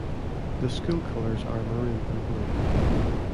The school colors are maroon and blue.